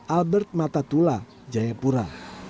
albert matatula jayapura